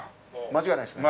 間違いないです。